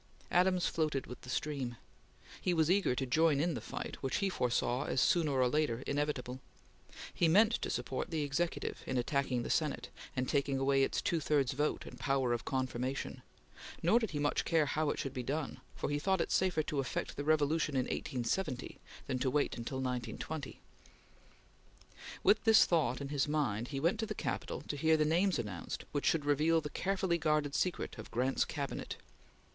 Adams floated with the stream. He was eager to join in the fight which he foresaw as sooner or later inevitable. He meant to support the Executive in attacking the Senate and taking away its two thirds vote and power of confirmation, nor did he much care how it should be done, for he thought it safer to effect the revolution in 1870 than to wait till 1920. With this thought in his mind, he went to the Capitol to hear the names announced which should reveal the carefully guarded secret of Grant's Cabinet.